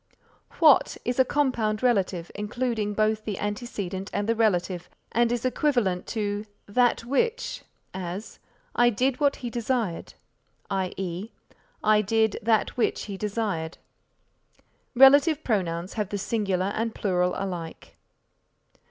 What is a compound relative, including both the antecedent and the relative and is equivalent to that which; as, "I did what he desired," i. e. "I did that which he desired." Relative pronouns have the singular and plural alike.